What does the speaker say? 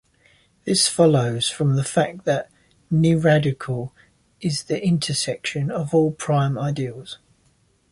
This follows from the fact that nilradical is the intersection of all prime ideals.